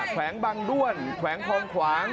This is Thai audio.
แขวงบางด้วนแขวงคลองขวาง